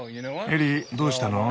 エリーどうしたの？